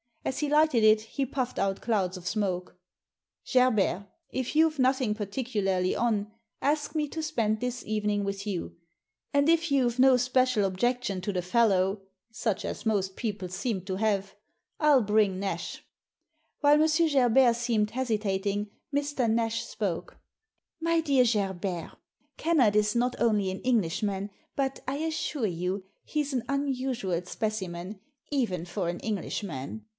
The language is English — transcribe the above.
As he lighted it he puffed out clouds of smoke. " Gerbert, if you've nothing particularly on, ask me to spend this evening with you ; and if you've no special objection to the fellow — such as most people seem to have — I'll bring Nash." While M. Gerbert seemed hesitating Mr. Nash spoke. My dear Gerbert, Kennard is not only an English man, but, I assure you, he's an unusual specimen, even for an Englishman.